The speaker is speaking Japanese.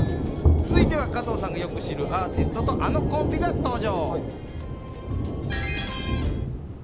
続いては加藤さんがよく知るアーティストとあのコンビが登場。